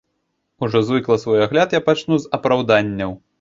Ужо звыкла свой агляд я пачну з апраўданняў.